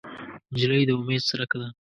نجلۍ د امید څرک ده.